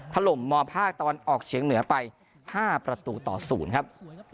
ถล่มมอภาคตอนออกเฉียงเหนือไปห้าประตูต่อศูนย์ครับ